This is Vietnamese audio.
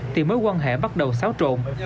thì mới quan hệ bắt đầu xáo trộn